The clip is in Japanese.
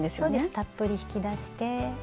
たっぷり引き出して。